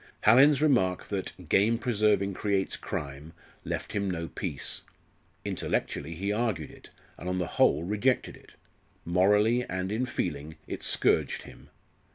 Hallin's remark that "game preserving creates crime" left him no peace. Intellectually he argued it, and on the whole rejected it; morally, and in feeling, it scourged him.